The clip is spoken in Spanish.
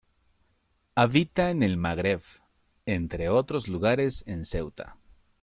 Habita en el Magreb, entre otros lugares en Ceuta.